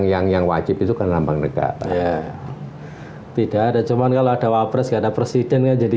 yang yang wajib itu karena abang abang negara tidak ada cuman kalau ada wapres ada presidennya jadi